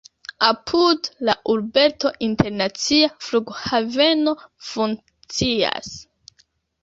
Apud la urbeto internacia flughaveno funkcias.